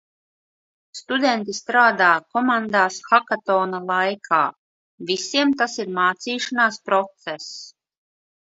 Studenti strādā komandās hakatona laikā. Visiem tas ir mācīšanās process.